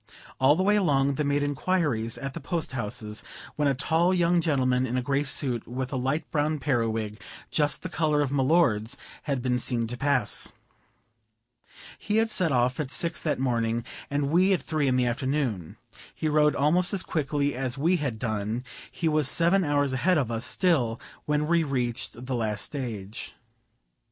All the way along they made inquiries at the post houses, when a tall young gentleman in a gray suit, with a light brown periwig, just the color of my lord's, had been seen to pass. He had set off at six that morning, and we at three in the afternoon. He rode almost as quickly as we had done; he was seven hours a head of us still when we reached the last stage.